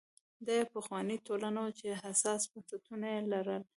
دا یوه پخوانۍ ټولنه وه چې حساس بنسټونه یې لرل.